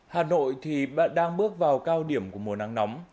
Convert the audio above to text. hà nội đang bước vào cao điểm của mùa nắng nóng